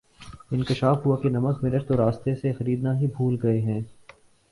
انکشاف ہوا کہ نمک مرچ تو راستے سے خریدنا ہی بھول گئے ہیں